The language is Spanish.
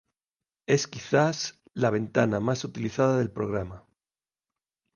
Es quizás la ventana más utilizada del programa.